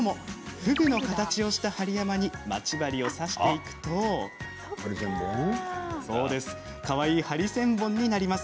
ふぐの形をした針山にまち針を刺していくとかわいいハリセンボンになります。